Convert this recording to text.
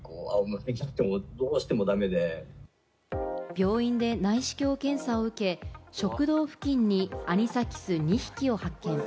病院で内視鏡検査を受け、食道付近にアニサキス２匹を発見。